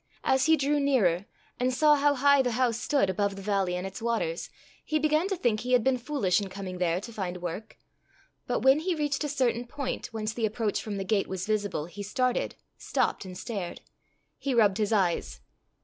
As he drew nearer, and saw how high the house stood above the valley and its waters, he began to think he had been foolish in coming there to find work; but when he reached a certain point whence the approach from the gate was visible, he started, stopped and stared. He rubbed his eyes.